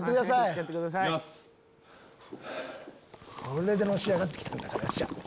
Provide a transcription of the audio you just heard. これでのし上がって来たんだから。